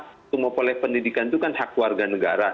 untuk memperoleh pendidikan itu kan hak warga negara